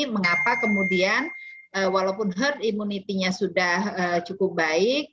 mengapa kemudian walaupun herd immunity nya sudah cukup baik